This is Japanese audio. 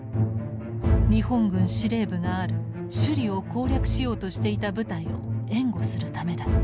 日本軍司令部がある首里を攻略しようとしていた部隊を援護するためだった。